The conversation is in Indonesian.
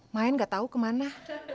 main gak tau kemana